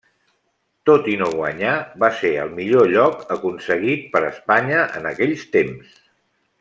Tot i no guanyar, va ser el millor lloc aconseguit per Espanya en aquells temps.